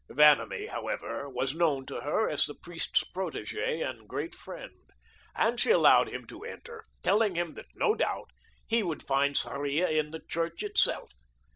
Vanamee, however, was known to her as the priest's protege and great friend, and she allowed him to enter, telling him that, no doubt, he would find Sarria in the church itself.